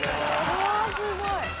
うわすごい。